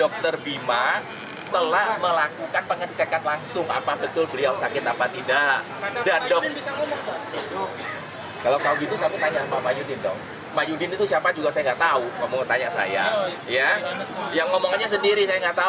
kalau nggak kamu bicara sendiri